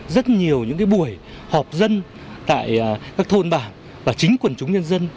rất nhiều những buổi họp dân tại các thôn bản và chính quần chúng nhân dân